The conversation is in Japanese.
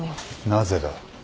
なぜだ。